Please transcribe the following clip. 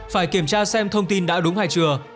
phải kiểm tra xem thông tin đã đúng hay chưa